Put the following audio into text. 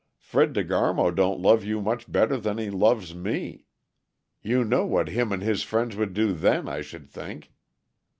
Fred De Garmo don't love you much better than he loves me. You know what him and his friends would do then, I should think."